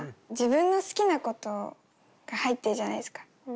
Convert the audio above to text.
自分の好きなことが入ってるじゃないですか。